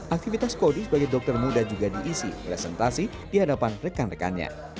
aktivitas kodi sebagai dokter muda juga diisi presentasi di hadapan rekan rekannya